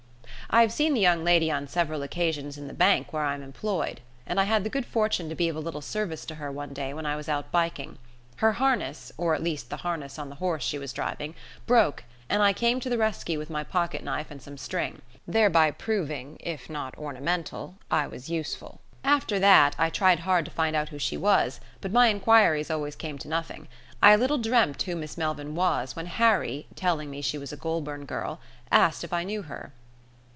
"I have seen the young lady on several occasions in the bank where I am employed, and I had the good fortune to be of a little service to her one day when I was out biking. Her harness, or at least the harness on the horse she was driving, broke, and I came to the rescue with my pocket knife and some string, thereby proving, if not ornamental, I was useful. After that I tried hard to find out who she was, but my inquiries always came to nothing. I little dreamt who Miss Melvyn was when Harry, telling me she was a Goulburn girl, asked if I knew her."